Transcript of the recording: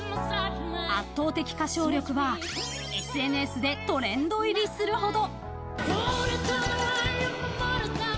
圧倒的歌唱力はＳＮＳでトレンド入りするほど。